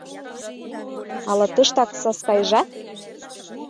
«Ала тыштак Саскайжат?..»